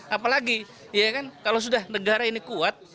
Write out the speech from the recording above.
apalagi kalau sudah negara ini kuat